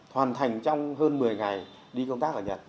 hoàn thành trong hơn một mươi ngày đi công tác ở nhật